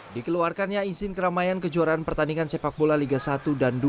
dikeluarkannya izin keramaian kejuaraan pertandingan sepak bola liga satu dan dua